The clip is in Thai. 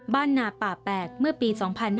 บ้านหนาป่าแปลกเมื่อปี๒๕๔๓